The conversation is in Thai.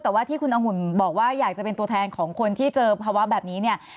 แต่ว่าที่คุณองุ่นบอกว่าอยากจะเป็นตัวแทนของคนที่เจอภาวะแบบนี้เนี่ย